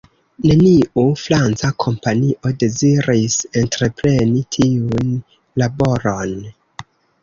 Neniu franca kompanio deziris entrepreni tiun laboron.